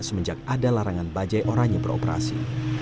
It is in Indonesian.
semenjak ada larangan bajai orangnya beroperasi